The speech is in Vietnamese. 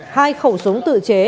hai khẩu súng tự chế